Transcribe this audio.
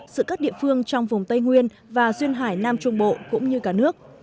giữa các địa phương trong vùng tây nguyên và duyên hải nam trung bộ cũng như cả nước